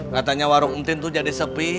katanya warung mtin tuh jadi sepi